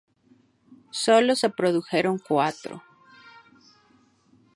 Sólo se produjeron cuatro.